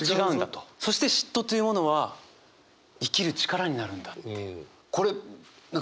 そして嫉妬というものは生きる力になるんだっていう。